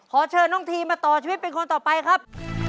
ขอเชิญน้องทีมาต่อชีวิตเป็นคนต่อไปครับ